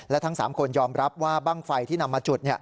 และทั้ง๓คนยอมรับว่าบ้างไฟที่นำมาจุด